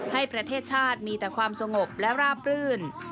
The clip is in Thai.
ให้ประเทศชาติมีแต่ความสงบและราบรื่น